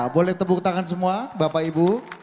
boleh tepuk tangan semua bapak ibu